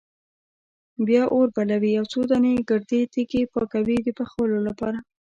بیا اور بلوي او څو دانې ګردې تیږې پاکوي د پخولو لپاره.